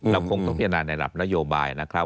เราคงต้องปีหน้าในหลักนโยบายนะครับ